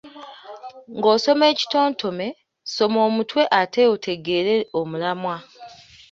Ng’osoma ekitontome, soma omutwe ate otegeere omulamwa.